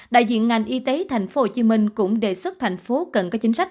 đại diện ngành y tế tp hcm cũng đề xuất thành phố cần có chính sách